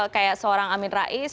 kayak seorang amin rais